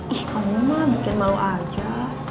ih kamu mah bikin malu aja